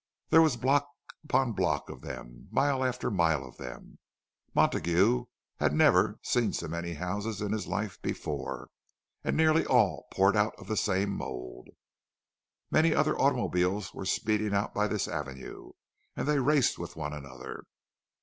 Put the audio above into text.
There was block upon block of them, mile after mile of them—Montague had never, seen so many houses in his life before, and nearly all poured out of the same mould. Many other automobiles were speeding out by this avenue, and they raced with one another.